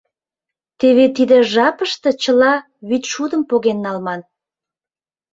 Теве тиде жапыште чыла вӱдшудым поген налман.